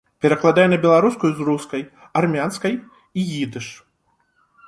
Перакладае на беларускую з рускай, армянскай і ідыш.